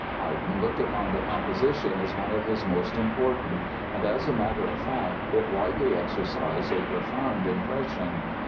Haydn looked upon the composition as one of his most important and, as a matter of fact, it widely exercised a profound impression.